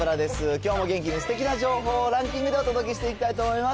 きょうも元気にすてきな情報をランキングでお届けしていきたいと思います。